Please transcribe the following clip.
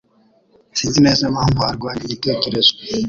Sinzi neza impamvu arwanya igitekerezo.